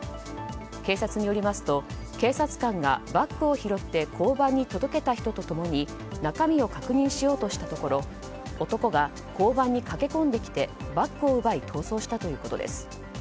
警察によりますと警察官がバッグを拾って交番に届けた人と共に中身を確認しようとしたところ男が交番に駆け込んできてバッグを奪い逃走したということです。